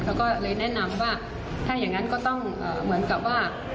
เขาก็เลยแนะนำว่าถ้าอย่างนั้นก็ต้องเหมือนกับว่า